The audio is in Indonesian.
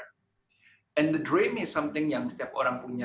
dan impian itu adalah sesuatu yang setiap orang punya